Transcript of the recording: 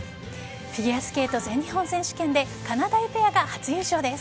フィギュアスケート全日本選手権でかなだいペアが初優勝です。